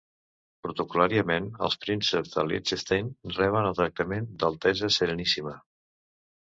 Protocol·làriament els prínceps de Liechtenstein reben el tractament d'Altesa Sereníssima.